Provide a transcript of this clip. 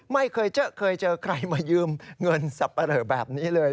ไม่เคยเจอใครมายืมเงินสับปะเริ่มแบบนี้เลย